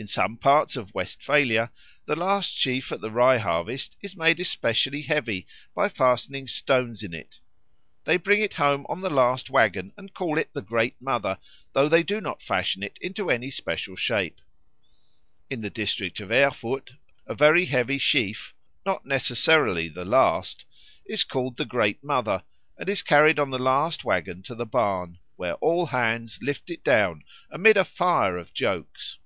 In some parts of Westphalia the last sheaf at the rye harvest is made especially heavy by fastening stones in it. They bring it home on the last waggon and call it the Great Mother, though they do not fashion it into any special shape. In the district of Erfurt a very heavy sheaf, not necessarily the last, is called the Great Mother, and is carried on the last waggon to the barn, where all hands lift it down amid a fire of jokes.